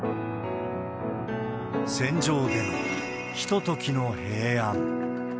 戦場でのひとときの平安。